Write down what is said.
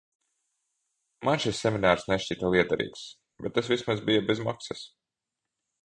Man šis seminārs nešķita lietderīgs, bet tas vismaz bija bez maksas.